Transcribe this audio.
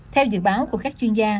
theo dự báo của các chuyên gia